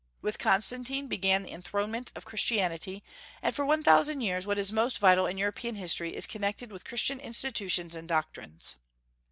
With Constantine began the enthronement of Christianity, and for one thousand years what is most vital in European history is connected with Christian institutions and doctrines.